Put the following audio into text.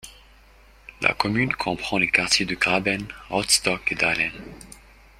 La commune comprend les quartiers de Gräben, Rottstock et Dahlen.